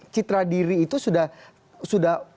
citra diri itu sudah